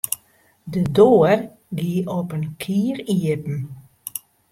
De doar gie op in kier iepen.